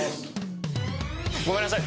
ごめんなさい。